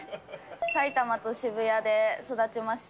埼玉と渋谷で育ちまして。